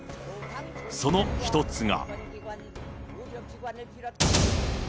その一つが。